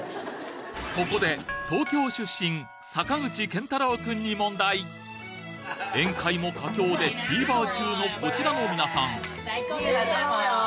ここで東京出身坂口健太郎君に宴会も佳境でフィーバー中のこちらの皆さん